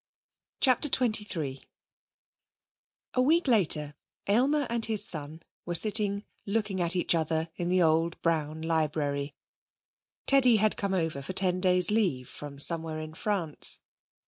CHAPTER XXIII A week later Aylmer and his son were sitting looking at each other in the old brown library. Teddy had come over for ten days' leave from somewhere in France.